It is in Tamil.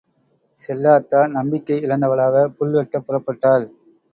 செல்லாத்தா, நம்பிக்கை இழந்தவளாக புல்வெட்டப் புறப்பட்டாள்.